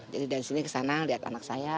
jadi dari sini kesana lihat anak saya